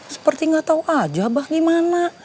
seperti gak tau aja abah gimana